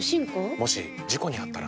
もし事故にあったら？